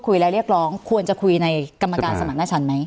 คุยและเรียกรองควรจะคุยในกรรมการสมัครหน้าชันไหม